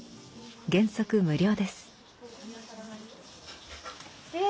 原則無料です。え！